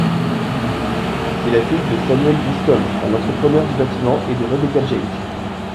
C'est la fille de Samuel Griscom, un entrepreneur du bâtiment, et de Rebecca James.